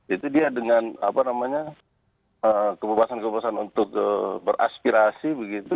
itu dia dengan kebebasan kebebasan untuk beraspirasi begitu